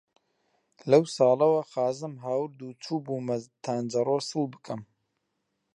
لەو ساڵەوە خازەم هاورد و چووبوومە تانجەرۆ سڵ بکەم،